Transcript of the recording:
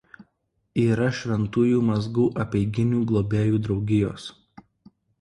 Yra „šventųjų mazgų“ apeiginių globėjų draugijos.